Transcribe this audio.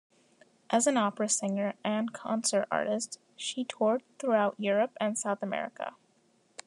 As an opera singer and concert artist, she toured throughout Europe and South America.